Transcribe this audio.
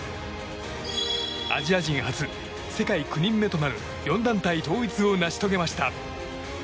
アジア人初、世界９人目となる４団体統一を成し遂げました。